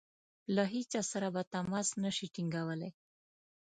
له هیچا سره به تماس نه شي ټینګولای.